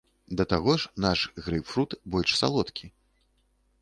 Да таго ж, наш грэйпфрут больш салодкі.